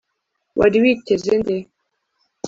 wari witeze nde